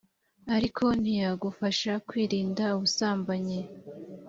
ariko ntiyagufasha kwirinda ubusambanyi